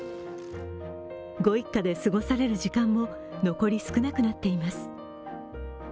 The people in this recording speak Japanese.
ご一家で過ごされる時間も残り少なくなっています。